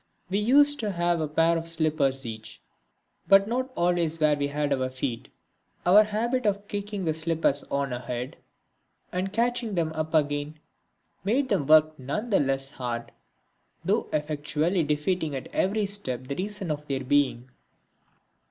We used to have a pair of slippers each, but not always where we had our feet. Our habit of kicking the slippers on ahead, and catching them up again, made them work none the less hard, through effectually defeating at every step the reason of their being.